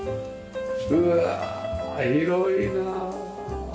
うわあ広いなあ。